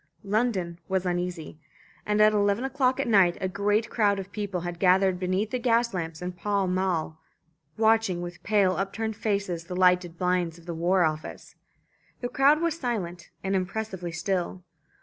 London was uneasy, and at eleven o'clock at night a great crowd of people had gathered beneath the gas lamps in Pall Mall, watching with pale upturned faces the lighted blinds of the War Office. The crowd was silent and impressively still.